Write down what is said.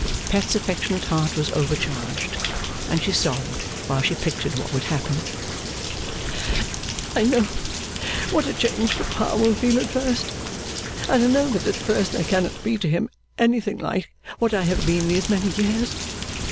Pet's affectionate heart was overcharged, and she sobbed while she pictured what would happen. 'I know what a change papa will feel at first, and I know that at first I cannot be to him anything like what I have been these many years.